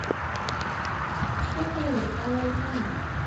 Chakrakuq aywaykaa.